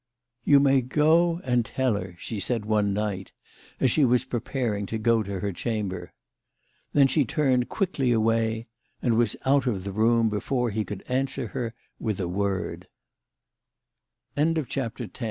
" You may go and tell her," she said one night as she was preparing to go to her chamher. Then she turned quickly away, and was out of the room hefore he could answer her